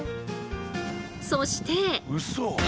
そして。